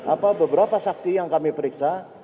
apa beberapa saksi yang kami periksa